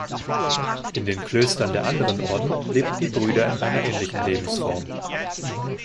In den Klöstern der anderen Orden lebten die Brüder in einer ähnlichen Lebensform.